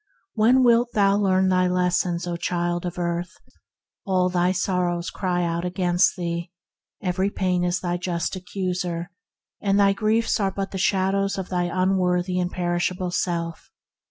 When wilt thou learn thy lessons, O child of earth! All thy sor rows cry out against thee; every pain is thy just accuser, and thy griefs are but the shadows of thy unworthy and perishable self.